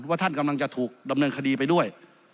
ว่าท่านกำลังจะถูกดำเนินคดีไปด้วย